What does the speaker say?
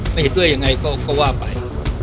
ไม่เห็นด้วยยังไงก็ว่าไป